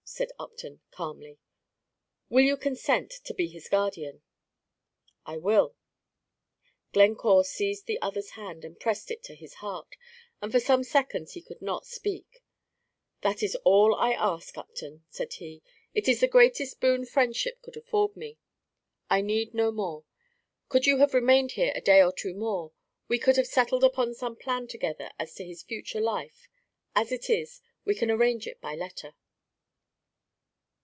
said Upton, calmly. "Will you consent to be his guardian?" "I will." Glencore seized the other's hand, and pressed it to his heart, and for some seconds he could not speak. "This is all that I ask, Upton," said he. "It is the greatest boon friendship could accord me. I need no more. Could you have remained here a day or two more, we could have settled upon some plan together as to his future life; as it is, we can arrange it by letter."